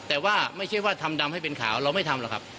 แต่ว่าไม่ใช่ว่าทำดำให้เป็นขาวเราไม่ทำหรอกครับ